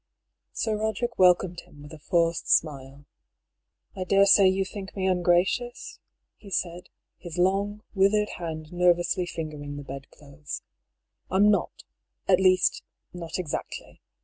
Sir Boderick welcomed him with a forced smile. " I daresay you think me ungracious ?" he said, his long, withered hand nervously fingering the bedclothes. " I'm not — ^at least, not exactly.